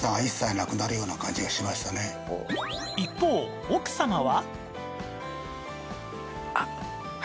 一方奥様は